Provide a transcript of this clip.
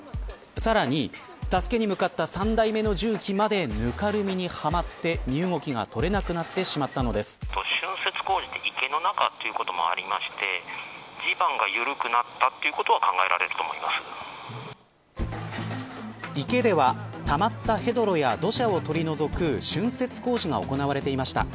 さらに、助けに向かった３台目の重機までぬかるみにはまって身動きが取れなく池ではたまったヘドロや土砂を取り除くしゅんせつ工事が行われていました。